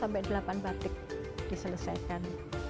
enam delapan batik diselesaikan